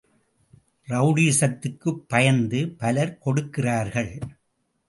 ரெளடிசத்துக்குப் பயந்து பலர் கொடுக்கிறார்கள்!